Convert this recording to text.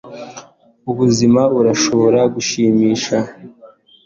ubuzima burashobora gushimisha